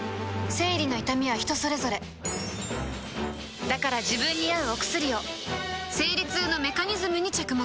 生理の痛みは人それぞれだから自分に合うお薬を生理痛のメカニズムに着目